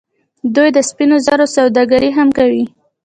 دوی د سپینو زرو سوداګري هم کوي.